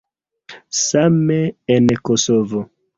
Same en Kosovo.